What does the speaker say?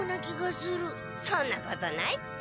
そんなことないって。